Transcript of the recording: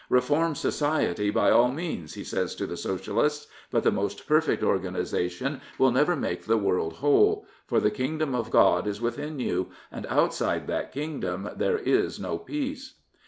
Reform society by all means, he says to the Socialists; but the most perfect organisation will never make the world whole. For the Kingdom of God is within you, and outside that Kingdom there is no peace.